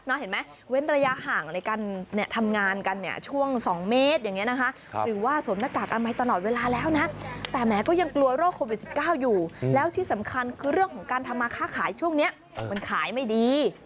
เห็นไหมเว้นระยะห่างในการเนี่ยทำงานกันเนี่ยช่วง๒เมตรอย่างนี้นะคะหรือว่าสวมหน้ากากอนามัยตลอดเวลาแล้วนะแต่แม้ก็ยังกลัวโรคโควิด๑๙อยู่แล้วที่สำคัญคือเรื่องของการทำมาค่าขายช่วงนี้มันขายไม่ดี